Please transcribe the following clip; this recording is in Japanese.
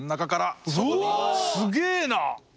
すげーな。